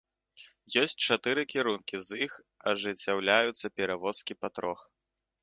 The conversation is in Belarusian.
Ёсць чатыры кірункі, з іх ажыццяўляюцца перавозкі па трох.